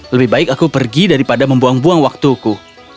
lebih baik aku pergi daripada membuang buang waktuku